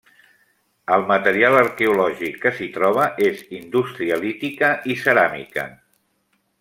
El material arqueològic que s'hi troba és indústria lítica i ceràmica.